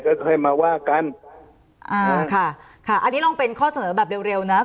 ก็ค่อยมาว่ากันอ่าค่ะค่ะอันนี้ลองเป็นข้อเสนอแบบเร็วเร็วนะ